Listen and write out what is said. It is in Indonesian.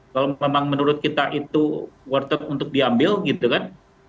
kalau memang menurut kita itu worth it untuk diambil gitu kan